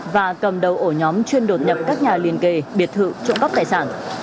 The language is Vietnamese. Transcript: và cầm đầu ổ nhóm chuyên đột nhập các nhà liên kề biệt thự trộm cắp tài sản